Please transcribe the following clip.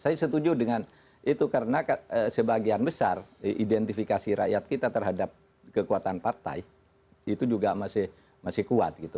saya setuju dengan itu karena sebagian besar identifikasi rakyat kita terhadap kekuatan partai itu juga masih kuat gitu